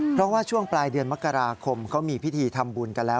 เพราะว่าช่วงปลายเดือนมกราคมเขามีพิธีทำบุญกันแล้ว